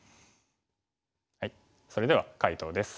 それでは解答です。